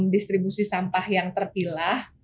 distribusi sampah yang terpilah